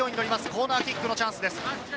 コーナーキックのチャンスです。